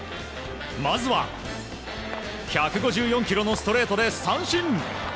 まずは１５４キロのストレートで三振。